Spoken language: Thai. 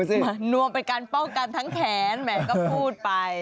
ป้าอักหนดหมานวมเป็นการเป้ากันทั้งแขนแม่นก็พูดไป